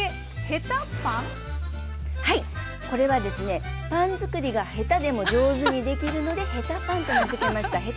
はいこれはですねパン作りがへたでも上手にできるので「へたパン」と名付けました。